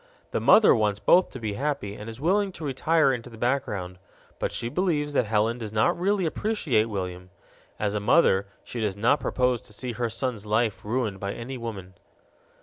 The mother wants both to be happy and is willing to retire into the background, but she believes that Helen does not really appreciate William; as a mother she does not propose to see her son's life ruined by any woman.